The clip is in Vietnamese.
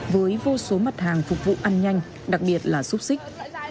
với vô số mặt hàng phục vụ ăn nhanh đặc biệt là xúc xích